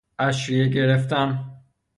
عشریه گرفتن